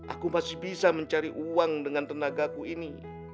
aku masih bisa mencari uang dengan tenagaku ini